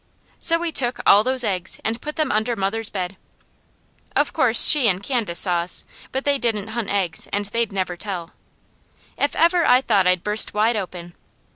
So we took all those eggs, and put them under mother's bed. Of course she and Candace saw us, but they didn't hunt eggs and they'd never tell. If ever I thought I'd burst wide open!